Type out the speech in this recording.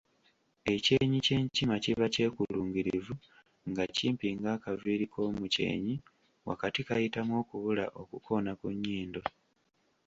"Ekyenyi ky’enkima kiba kyekulungirivu, nga kimpi ng’akaviiri k’omukyenyi wakati kayitamu okubula okukoona ku nnyindo."